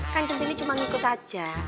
kan centini cuma ngikut saja